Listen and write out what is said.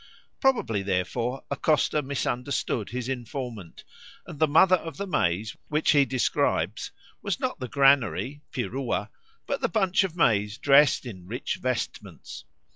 Probably, therefore, Acosta misunderstood his informant, and the Mother of the Maize which he describes was not the granary (Pirua), but the bunch of maize dressed in rich vestments.